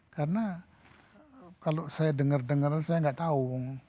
karena kalau saya dengar dengar saya gak tahu